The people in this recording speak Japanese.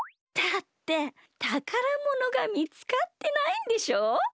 だってたからものがみつかってないんでしょ？